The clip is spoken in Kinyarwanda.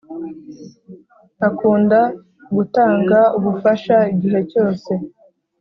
akunda gutanga ubufasha igihe cyose